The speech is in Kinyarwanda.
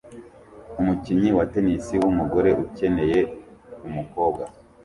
Umukinnyi wa tennis wumugore ukeneye umukobwa